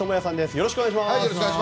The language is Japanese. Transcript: よろしくお願いします。